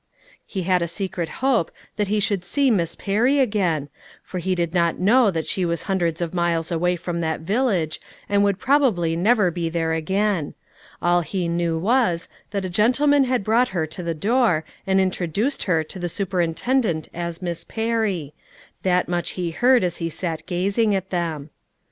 He had a secret hope that he should see Miss Perry again, for he did not know that she was hundreds of miles away from that village, and would probably never be there again; all he knew was, that a gentleman had brought her to the door, and introduced her to the superintendent as Miss Perry; that much he heard as he sat gazing at them.